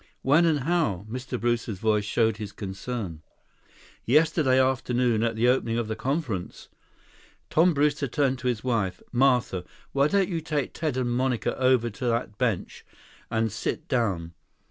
"When and how?" Mr. Brewster's voice showed his concern. "Yesterday afternoon, at the opening of the conference." Tom Brewster turned to his wife. "Martha, why don't you take Ted and Monica over to that bench and sit down?